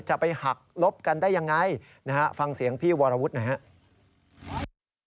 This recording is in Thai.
จะไปหักลบกันได้อย่างไรฟังเสียงพี่วารวุฒินะครับ